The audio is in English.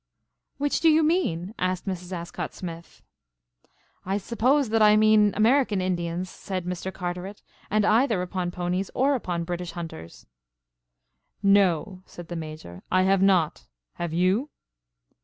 "Which do you mean?" asked Mrs. Ascott Smith. "I suppose that I mean American Indians," said Mr. Carteret, "and either upon ponies or upon British Hunters." "No," said the Major, "I have not. Have you?"